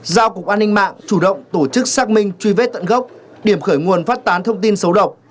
giao cục an ninh mạng chủ động tổ chức xác minh truy vết tận gốc điểm khởi nguồn phát tán thông tin xấu độc